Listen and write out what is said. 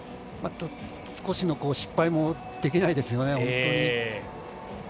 少しの失敗もできないですよね。